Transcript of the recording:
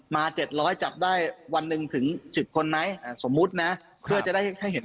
๗๐๐จับได้วันหนึ่งถึง๑๐คนไหมสมมุตินะเพื่อจะได้ให้เห็น